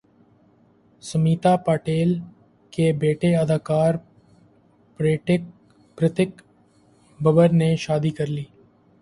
سمیتا پاٹیل کے بیٹے اداکار پرتیک ببر نے شادی کرلی